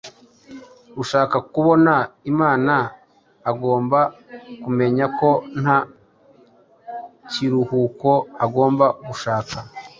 ushaka kubana n’Imana agomba kumenya ko nta kiruhuko agomba gushaka